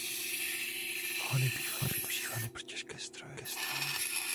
Tyto pohony bývají využívány pro těžké stroje.